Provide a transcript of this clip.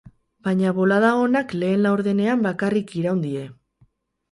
Baina bolada onak lehen laurdenean bakarrik iraun die.